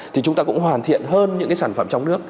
thì chúng ta cũng hoàn thiện hơn những cái sản phẩm trong nước